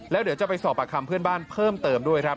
แล้วเดี๋ยวจะไปสอบประคำเพื่อนบ้านเพิ่มเติมด้วยครับ